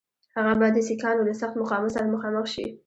هغه به د سیکهانو له سخت مقاومت سره مخامخ شي.